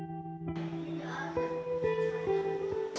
joyce belajar sama orang lain